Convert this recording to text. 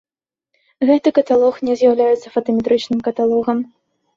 Гэты каталог не з'яўляецца фотаметрычным каталогам.